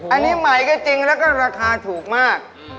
อันนี้ใหม่ก็จริงแล้วก็ราคาถูกมาก